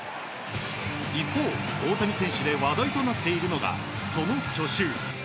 一方、大谷選手で話題となっているのがその去就。